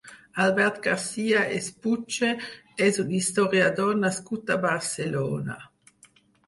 Albert Garcia Espuche és un historiador nascut a Barcelona.